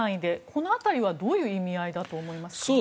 この辺りはどういう意味合いだと思いますか？